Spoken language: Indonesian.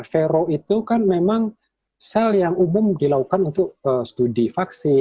vero itu kan memang sel yang umum dilakukan untuk studi vaksin